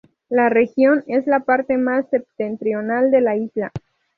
La región es la parte más septentrional de la isla.